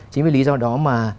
chính vì lý do đó mà